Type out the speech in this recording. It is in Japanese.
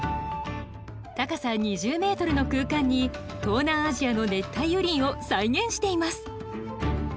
高さ２０メートルの空間に東南アジアの熱帯雨林を再現しています。